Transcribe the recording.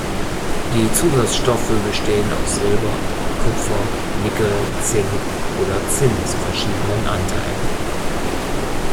Die Zusatzstoffe bestehen aus Silber, Kupfer, Nickel, Zink oder Zinn zu verschiedenen Anteilen.